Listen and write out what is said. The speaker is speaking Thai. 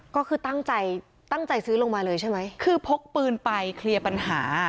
ก็คือตั้งใจตั้งใจซื้อลงมาเลยใช่ไหมคือพกปืนไปเคลียร์ปัญหา